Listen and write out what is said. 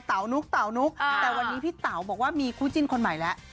ทีนี้ตะวานนี้พี่เต๋าบอกว่ามีครูจิ้นคนใหม่แล้ว